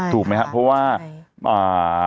ถูกไหมครับเพราะว่าอ่า